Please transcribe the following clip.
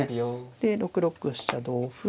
で６六飛車同歩。